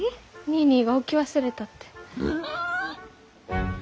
ニーニーが置き忘れたって。